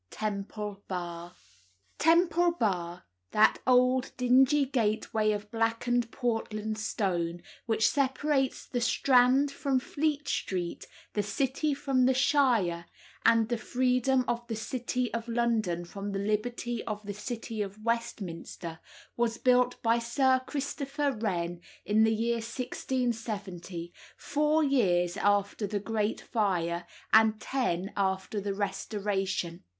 TEMPLE BAR. Temple Bar, that old dingy gateway of blackened Portland stone which separates the Strand from Fleet Street, the City from the Shire, and the Freedom of the City of London from the Liberty of the City of Westminster, was built by Sir Christopher Wren in the year 1670, four years after the Great Fire, and ten after the Restoration.